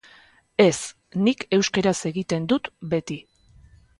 Ez, nik euskaraz egiten dut beti.